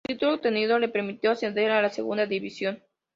El subtítulo obtenido le permitió ascender a la Segunda División.